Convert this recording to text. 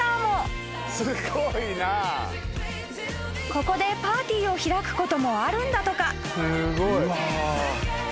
［ここでパーティーを開くこともあるんだとか］